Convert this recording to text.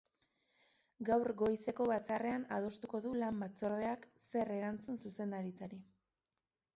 Gaur goizeko batzarrean adostuko du lan batzordeak, zer erantzun zuzendaritzari.